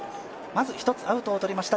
まず１つアウトを取りました、